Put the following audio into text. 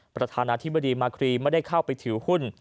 ประธานาธิบดีมาครีไม่ได้เข้าไปถือหุ้น